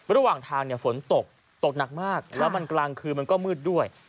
ระหว่างทางฝนตกตกหนักมากแล้วมันกลางคืนมันก็มืดด้วย